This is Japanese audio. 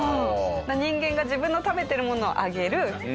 人間が自分の食べてるものをあげる。